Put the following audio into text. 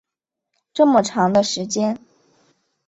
这么长的时间